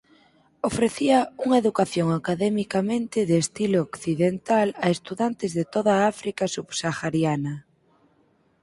Ofrecía unha educación academicamente de estilo occidental a estudantes de toda África subsahariana.